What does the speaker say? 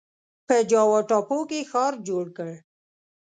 په جاوا ټاپو کې ښار جوړ کړ.